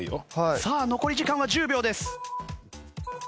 さあ残り時間は１０秒です。